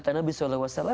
yang dicintai oleh allah